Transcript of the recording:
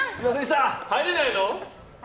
入れないの？